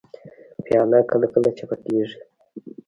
پیاله کله کله چپه کېږي.